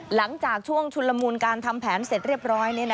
หลังจากช่วงชุนละมูลการทำแผนเสร็จเรียบร้อย